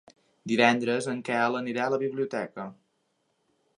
Divendres en Quel anirà a la biblioteca.